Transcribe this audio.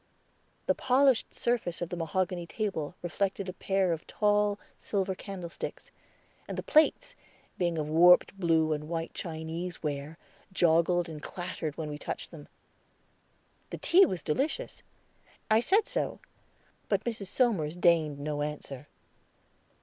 The polished surface of the mahogany table reflected a pair of tall silver candlesticks, and the plates, being of warped blue and white Chinese ware, joggled and clattered when we touched them. The tea was delicious; I said so, but Mrs. Somers deigned no answer.